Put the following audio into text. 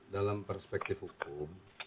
dalam perspektif hukum